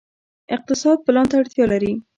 اقتصاد پلان ته اړتیا لري